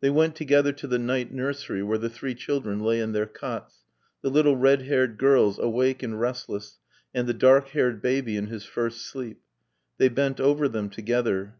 They went together to the night nursery where the three children lay in their cots, the little red haired girls awake and restless, and the dark haired baby in his first sleep. They bent over them together.